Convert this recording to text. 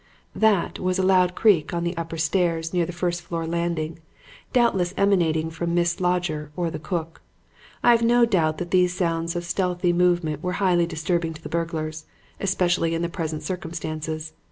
"'That' was a loud creak on the upper stairs near the first floor landing, doubtless emanating from Miss Slodger or the cook. I have no doubt that these sounds of stealthy movement were highly disturbing to the burglars, especially in the present circumstances.